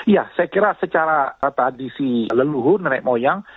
ya saya kira secara tradisi leluhur nenek moyang